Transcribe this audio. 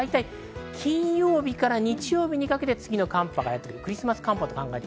金曜日から日曜日にかけて次の寒波がやってくる。